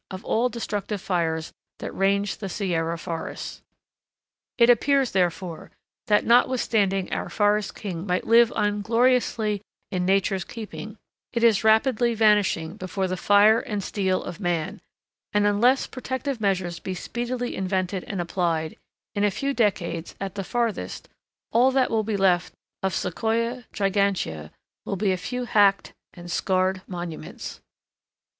of all destructive fires that range the Sierra forests. It appears, therefore, that notwithstanding our forest king might live on gloriously in Nature's keeping, it is rapidly vanishing before the fire and steel of man; and unless protective measures be speedily invented and applied, in a few decades, at the farthest, all that will be left of Sequoia gigantea will be a few hacked and scarred monuments.